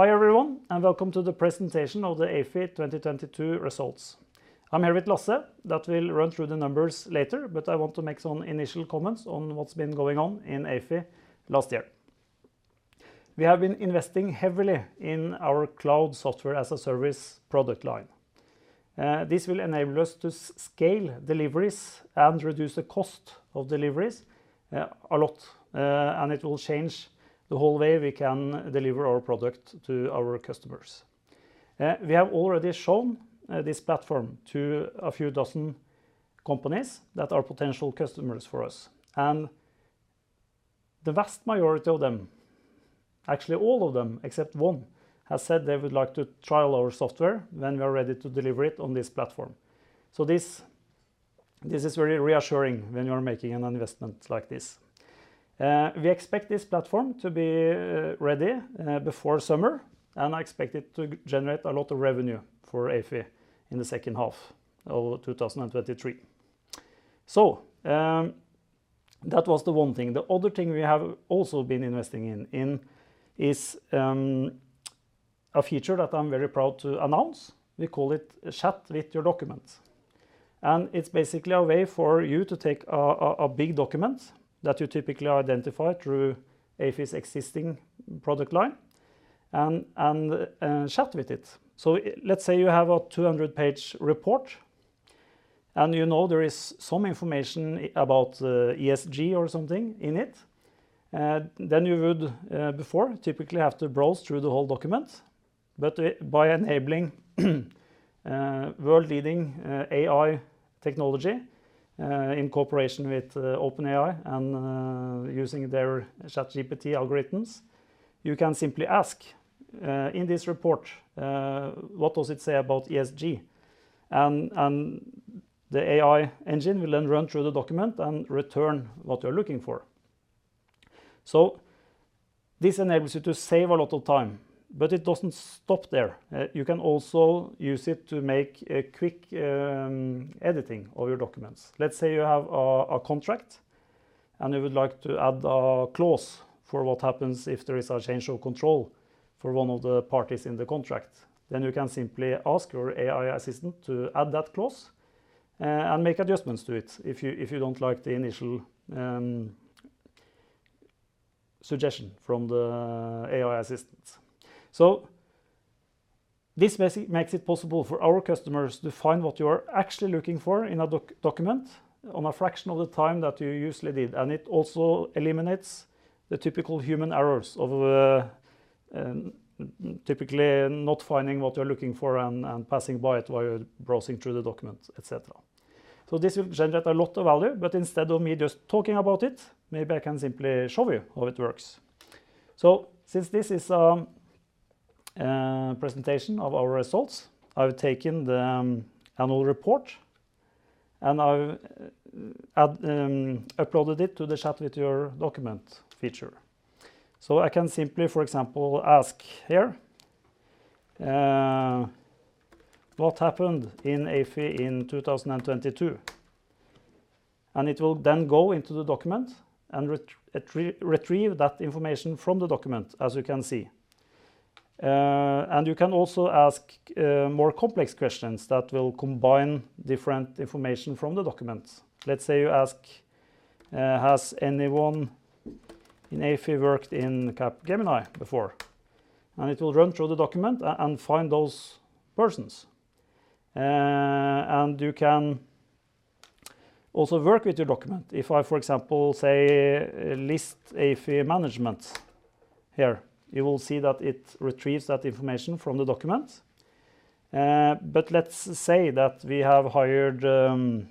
Hi, everyone, and welcome to the presentation of the Ayfie 2022 results. I'm here with Lasse, that will run through the numbers later, but I want to make some initial comments on what's been going on in Ayfie last year. We have been investing heavily in our cloud Software-as-a-Service product line. This will enable us to scale deliveries and reduce the cost of deliveries a lot, and it will change the whole way we can deliver our product to our customers. We have already shown this platform to a few dozen companies that are potential customers for us, and the vast majority of them, actually, all of them, except one, have said they would like to trial our software when we are ready to deliver it on this platform. So this, this is very reassuring when you are making an investment like this. We expect this platform to be ready before summer, and I expect it to generate a lot of revenue for Ayfie in the second half of 2023. So, that was the one thing. The other thing we have also been investing in is a feature that I'm very proud to announce. We call it Chat with Your Document, and it's basically a way for you to take a big document that you typically identify through Ayfie's existing product line, and chat with it. So, let's say you have a 200-page report, and you know there is some information about ESG or something in it, then you would before typically have to browse through the whole document. But, by enabling world-leading AI technology in cooperation with OpenAI and using their ChatGPT algorithms, you can simply ask, "In this report, what does it say about ESG?" And the AI engine will then run through the document and return what you're looking for. So this enables you to save a lot of time, but it doesn't stop there. You can also use it to make a quick editing of your documents. Let's say you have a contract, and you would like to add a clause for what happens if there is a change of control for one of the parties in the contract, then you can simply ask your AI assistant to add that clause and make adjustments to it if you don't like the initial suggestion from the AI assistants. So this makes it possible for our customers to find what you are actually looking for in a document, on a fraction of the time that you usually need, and it also eliminates the typical human errors of typically not finding what you're looking for and passing by it while you're browsing through the document, et cetera. So this will generate a lot of value, but instead of me just talking about it, maybe I can simply show you how it works. So since this is a presentation of our results, I've taken the annual report, and I've uploaded it to the Chat with Your Document feature. So I can simply, for example, ask here: "What happened in Ayfie in 2022?" And it will then go into the document and retrieve that information from the document, as you can see. And you can also ask more complex questions that will combine different information from the document. Let's say you ask, "Has anyone in Ayfie worked in Capgemini before?" And it will run through the document and find those persons. And you can also work with your document. If I, for example, say, "List Ayfie managements," here, you will see that it retrieves that information from the document. But let's say that we have hired Gunnar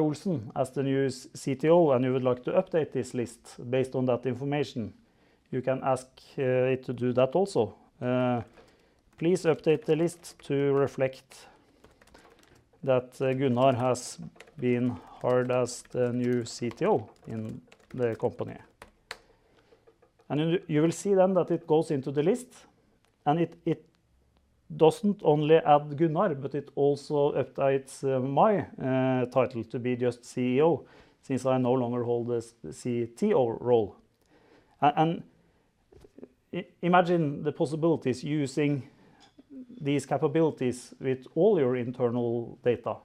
Olsen as the new CTO, and you would like to update this list based on that information. You can ask it to do that also. "Please update the list to reflect that Gunnar has been hired as the new CTO in the company." And you will see then that it goes into the list, and it doesn't only add Gunnar, but it also updates my title to be just CEO, since I no longer hold the CTO role. And imagine the possibilities using these capabilities with all your internal data.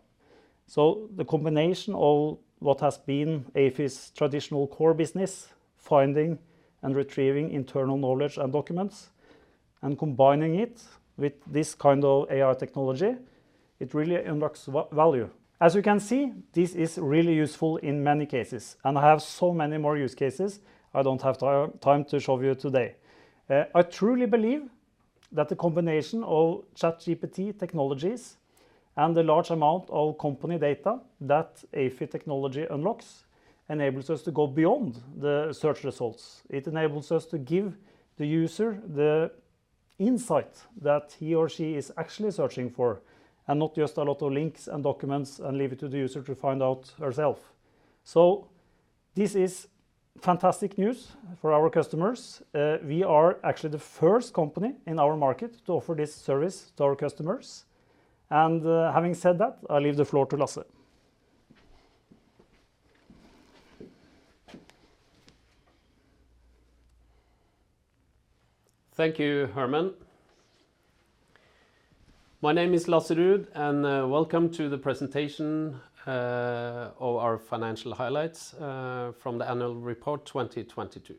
So the combination of what has been Ayfie's traditional core business, finding and retrieving internal knowledge and documents, and combining it with this kind of AI technology, it really unlocks value. As you can see, this is really useful in many cases, and I have so many more use cases I don't have time to show you today. I truly believe that the combination of ChatGPT technologies and the large amount of company data that Ayfie technology unlocks enables us to go beyond the search results. It enables us to give the user the insight that he or she is actually searching for, and not just a lot of links and documents, and leave it to the user to find out herself. So this is fantastic news for our customers. We are actually the first company in our market to offer this service to our customers. Having said that, I'll leave the floor to Lasse. Thank you, Herman. My name is Lasse Ruud, and welcome to the presentation of our financial highlights from the annual report 2022.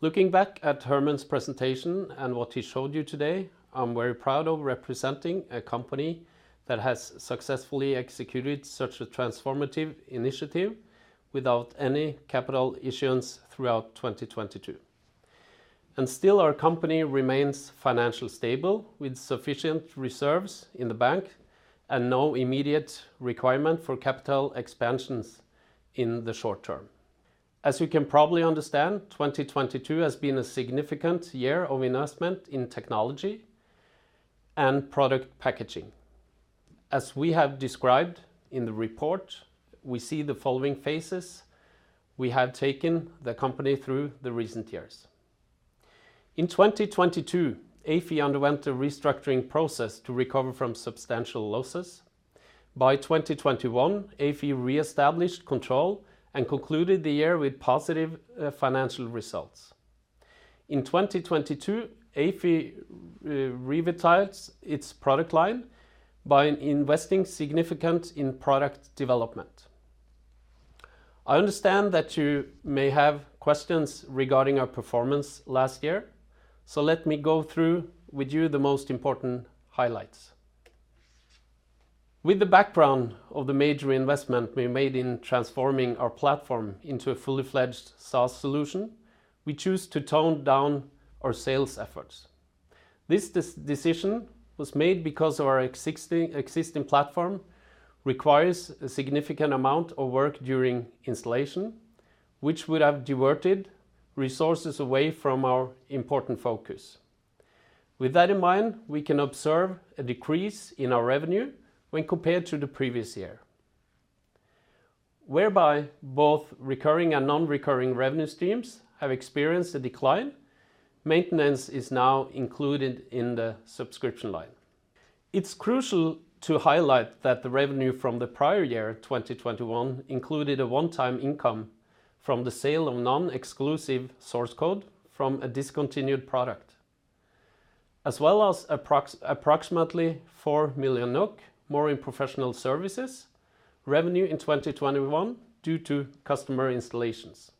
Looking back at Herman's presentation and what he showed you today, I'm very proud of representing a company that has successfully executed such a transformative initiative without any capital issuance throughout 2022. Still, our company remains financially stable, with sufficient reserves in the bank and no immediate requirement for capital expansions in the short term. As you can probably understand, 2022 has been a significant year of investment in technology and product packaging. As we have described in the report, we see the following phases we have taken the company through the recent years. In 2022, Ayfie underwent a restructuring process to recover from substantial losses. By 2021, Ayfie reestablished control and concluded the year with positive financial results. In 2022, Ayfie revitalized its product line by investing significant in product development. I understand that you may have questions regarding our performance last year, so let me go through with you the most important highlights. With the background of the major investment we made in transforming our platform into a fully fledged SaaS solution, we choose to tone down our sales efforts. This decision was made because our existing platform requires a significant amount of work during installation, which would have diverted resources away from our important focus. With that in mind, we can observe a decrease in our revenue when compared to the previous year, whereby both recurring and non-recurring revenue streams have experienced a decline. Maintenance is now included in the subscription line. It's crucial to highlight that the revenue from the prior year, 2021, included a one-time income from the sale of non-exclusive source code from a discontinued product, as well as approximately 4 million NOK more in professional services revenue in 2021 due to customer installations.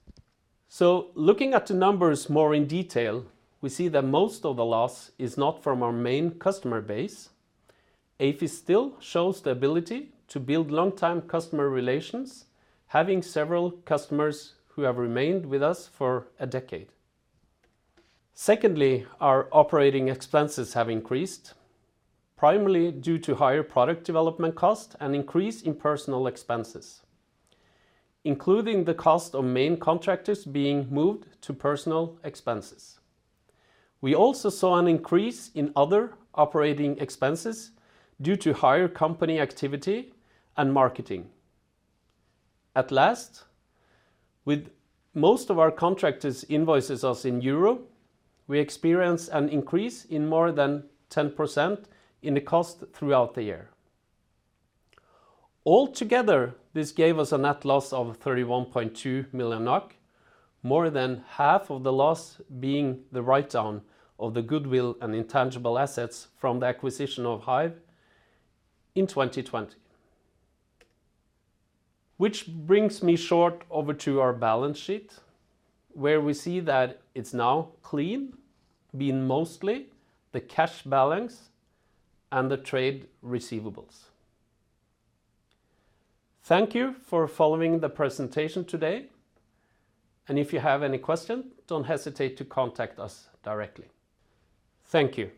So looking at the numbers more in detail, we see that most of the loss is not from our main customer base. Ayfie still shows the ability to build long-time customer relations, having several customers who have remained with us for a decade. Secondly, our operating expenses have increased, primarily due to higher product development costs and increase in personnel expenses, including the cost of main contractors being moved to personnel expenses. We also saw an increase in other operating expenses due to higher company activity and marketing. At last, with most of our contractors invoices us in euros, we experienced an increase in more than 10% in the cost throughout the year. Altogether, this gave us a net loss of 31.2 million NOK, more than half of the loss being the write-down of the goodwill and intangible assets from the acquisition of Haive in 2020. Which brings me short over to our balance sheet, where we see that it's now clean, being mostly the cash balance and the trade receivables. Thank you for following the presentation today, and if you have any questions, don't hesitate to contact us directly. Thank you!